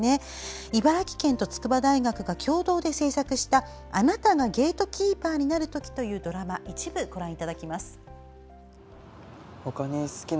茨城県と筑波大学が共同で制作した「あなたがゲートキーパーになる時」というドラマの一部ご覧いただきます。